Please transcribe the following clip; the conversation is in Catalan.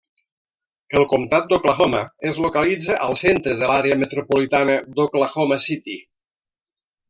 El Comtat d'Oklahoma es localitza al centre de l'àrea metropolitana d'Oklahoma City.